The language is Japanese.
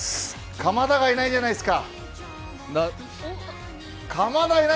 鎌田がいないじゃないですか。